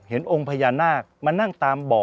องค์พญานาคมานั่งตามบ่อ